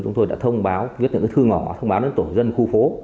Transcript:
chúng tôi đã thông báo viết những thư ngỏ thông báo đến tổ chức dân khu phố